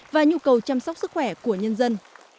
và nhu cầu chăm sóc sức khỏe của nhân dân